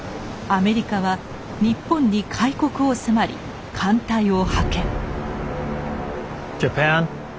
アメリカは日本に開国を迫り艦隊を派遣。